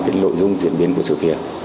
cái nội dung diễn biến của sự kiện